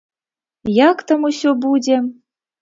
Як там усё будзе?